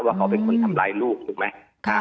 ว่าเขาเป็นคนทำร้ายลูกถูกไหม